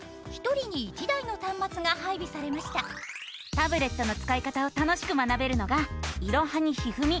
タブレットのつかい方を楽しく学べるのが「いろはにひふみ」。